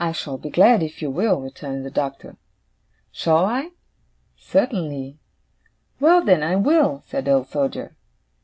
'I shall be glad if you will,' returned the Doctor. 'Shall I?' 'Certainly.' 'Well, then, I will!' said the Old Soldier.